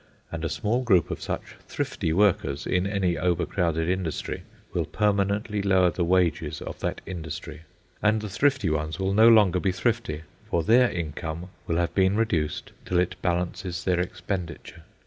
And a small group of such thrifty workers in any overcrowded industry will permanently lower the wages of that industry. And the thrifty ones will no longer be thrifty, for their income will have been reduced till it balances their expenditure.